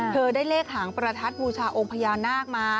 ได้เลขหางประทัดบูชาองค์พญานาคมา